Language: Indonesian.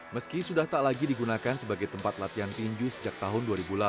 meski sudah tak lagi digunakan sebagai tempat latihan tinju sejak tahun dua ribu delapan